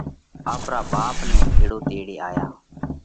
آپرا ٻاپ نئہ ڀيۯو تيڙي آيا۔